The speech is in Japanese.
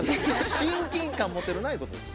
親近感持てるなゆうことです。